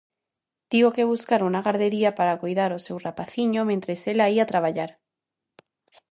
Tivo que buscar unha gardería para coidar o seu rapaciño mentres ela ía traballar.